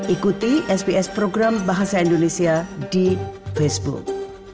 ikuti sps program bahasa indonesia di facebook